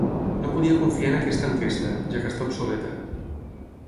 No podia confiar en aquesta enquesta, ja que està obsoleta.